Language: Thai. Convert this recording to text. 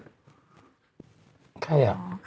ขอใคร